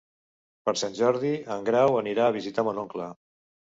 Per Sant Jordi en Grau anirà a visitar mon oncle.